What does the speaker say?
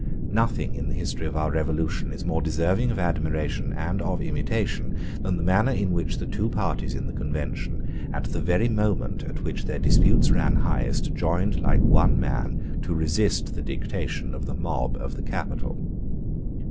Nothing in the history of our revolution is more deserving of admiration and of imitation than the manner in which the two parties in the Convention, at the very moment at which their disputes ran highest, joined like one man to resist the dictation of the mob of the capital.